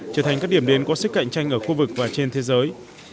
trở thành các điểm đến có sức cạnh tranh ở khu vực và trên thế giới